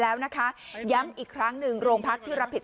แล้วปีหน้าทำไงต่อ